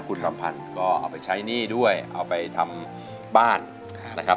คุณลำพันธ์ก็เอาไปใช้หนี้ด้วยเอาไปทำบ้านนะครับ